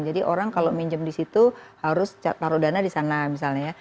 jadi orang kalau minjem di situ harus taruh dana di sana misalnya ya